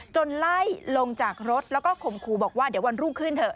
ไล่ลงจากรถแล้วก็ข่มขู่บอกว่าเดี๋ยววันรุ่งขึ้นเถอ